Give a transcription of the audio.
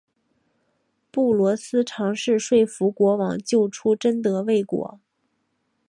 布罗斯尝试说服国王救出贞德未果。